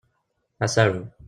Ad as-aruɣ.